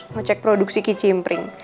ngecek produksi kicimpring